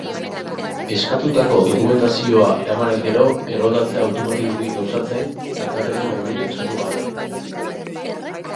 Eskatutako dokumentazioa eramanez gero, erroldatzea automatikoki gauzatzen, alkatearen baimenik eskatu gabe.